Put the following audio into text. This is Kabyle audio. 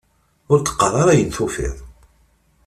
Ur d-qqar ara ayen tufiḍ!